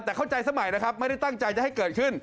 แต่เข้าใจสมัยนะครับไม่ได้ตั้งใจจะให้เกิดขึ้น